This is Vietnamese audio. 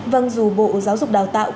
vâng dù bộ giáo dục đào tạo